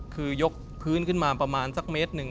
คือยกพื้นขึ้นมาประมาณสักเมตรหนึ่ง